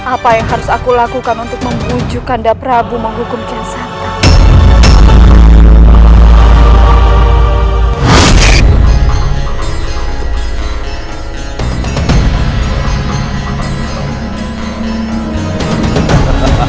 apa yang harus aku lakukan untuk membujukan daprabu menghukum kian santang